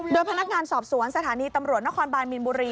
โดยพนักงานสอบสวนสถานีตำรวจนครบานมีนบุรี